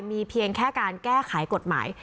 มีเพียงแค่การแก้ไขกฎหมาย